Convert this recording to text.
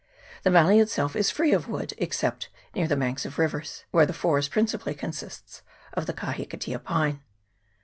The valley itself is free of wood, except near the banks of rivers, where the forest principally consists of the kahikatea pine.